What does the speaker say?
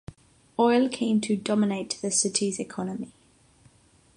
Oil came to dominate the city's economy.